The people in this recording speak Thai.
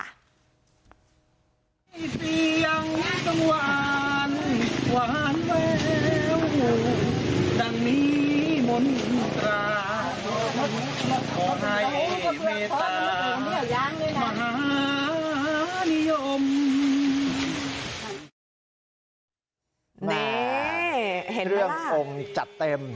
นี่เห็นมั้ยล่ะใช่ค่ะเรื่ององค์จัดเต็ม